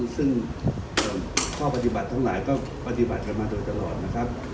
ซึ่งข้อปฏิบัติทั้งหลายก็ปฏิบัติกันมาโดยตลอดนะครับ